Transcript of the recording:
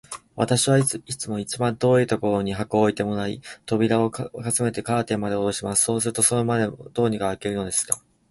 私はいつも一番遠いところに箱を置いてもらい、扉も窓もすっかり閉め、カーテンまでおろします。そうすると、それでまず、どうにか聞けるのでした。